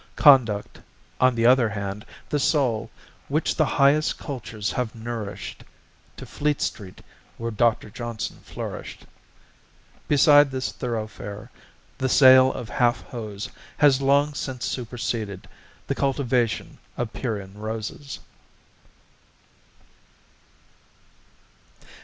Conduct, on the other hand, the soul "Which the highest cultures have nourished" To Fleet St. where Dr. Johnson flourished; Beside this thoroughfare The sale of half hose has Long since superseded the cultivation Of Pierian roses.